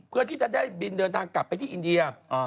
เพื่อที่จะได้บินเดินทางกลับไปที่อินเดีย